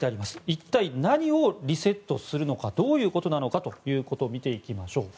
一体何をリセットするのかどういうことなのか見ていきましょう。